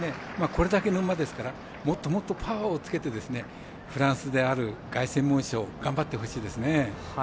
これだけの馬ですからもっともっとパワーをつけてフランスである凱旋門賞頑張ってほしいですね。